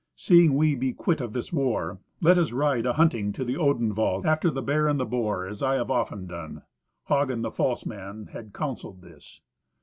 Seeing we be quit of this war, let us ride a hunting to the Odenwald after the bear and the boar, as I have often done." Hagen, the false man, had counselled this.